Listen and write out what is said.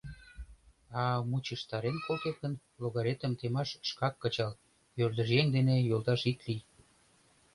А мучыштарен колтет гын, логаретым темаш шкак кычал, ӧрдыжъеҥ дене йолташ ит лий.